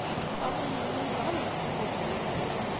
Faḍil yella yebɣa ad yessiged Layla.